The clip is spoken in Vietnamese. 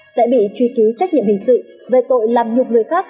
sẽ bị truy cứu trách nhiệm hình sự về tội làm nhục người khác